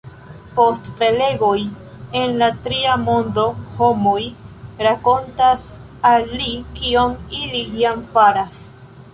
Post prelegoj en la Tria Mondo homoj rakontas al li kion ili jam faras!